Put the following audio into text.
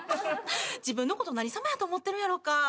自分のこと何様やと思ってるんやろうか？